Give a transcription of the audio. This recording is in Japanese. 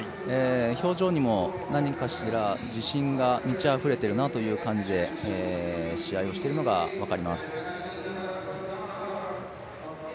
表情にも何かしら自信が満ちあふれているなという感じで試合をしているのが分かります。